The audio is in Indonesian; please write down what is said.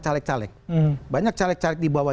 caleg caleg banyak caleg caleg di bawah